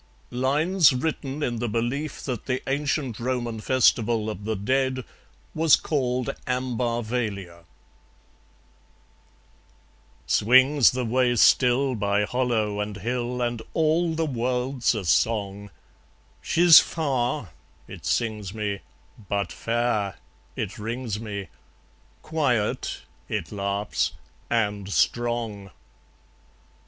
Lines Written in the Belief That the Ancient Roman Festival of the Dead Was Called Ambarvalia Swings the way still by hollow and hill, And all the world's a song; "She's far," it sings me, "but fair," it rings me, "Quiet," it laughs, "and strong!"